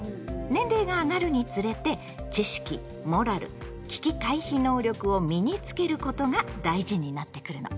年齢が上がるにつれて知識・モラル・危機回避能力を身につけることが大事になってくるの。